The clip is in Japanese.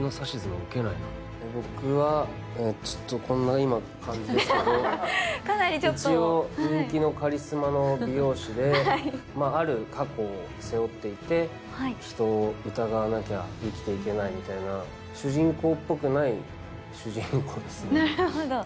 僕は今こんな感じですけど、一応、人気のカリスマの美容師で、ある過去を背負っていて、人を疑わなきゃ生きていけないみたいな、主人公っぽくない主人公ですね。